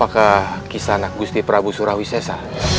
kisah anak gusti prabu surawi sesa